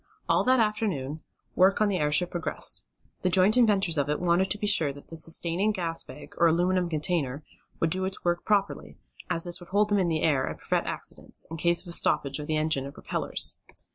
All that afternoon work on the airship progressed. The joint inventors of it wanted to be sure that the sustaining gas bag, or aluminum container, would do its work properly, as this would hold them in the air, and prevent accidents, in case of a stoppage of the engine or propellers.